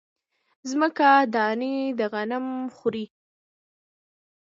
مځکه دانې د غنم خوري